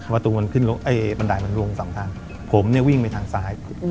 ประตูมันขึ้นลงไอ้บันไดมันลงสองทางผมเนี่ยวิ่งไปทางซ้าย